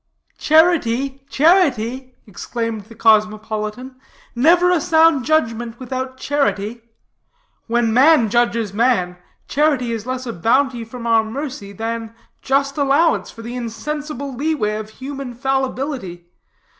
"Charity, charity!" exclaimed the cosmopolitan, "never a sound judgment without charity. When man judges man, charity is less a bounty from our mercy than just allowance for the insensible lee way of human fallibility.